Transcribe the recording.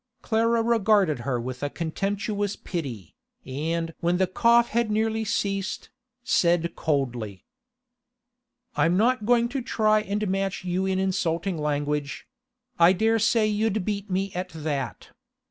Clara regarded her with a contemptuous pity, and when the cough had nearly ceased, said coldly: 'I'm not going to try and match you in insulting language; I dare say you'd beat me at that.